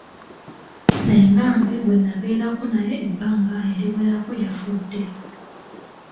Ssengange gwe nabeerako naye ebbanga eriwerako yafudde.